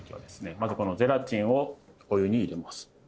まずこのゼラチンをお湯に入れます。